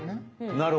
なるほど。